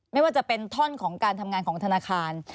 ไม่ว่าจะเป็นท่อนของการทำงานของธนาคาร